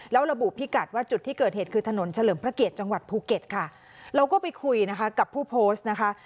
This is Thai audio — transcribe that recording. แล้วระบุพิกัดว่าจุดที่เกิดเหตุคือถนนเฉลิมพระเกียรติจังหวัดภูเก็ตค่ะเราก็ไปคุยนะคะกับผู้โพสต์นะคะ